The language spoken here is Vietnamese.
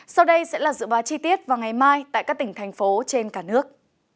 sau đây sẽ là dự báo chi tiết vào ngày mai tại các tỉnh thành phố trên cả nước